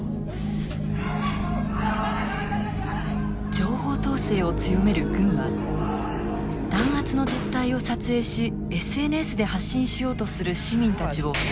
情報統制を強める軍は弾圧の実態を撮影しＳＮＳで発信しようとする市民たちを狙い撃ち。